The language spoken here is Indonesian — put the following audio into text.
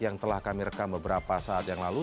yang telah kami rekam beberapa saat yang lalu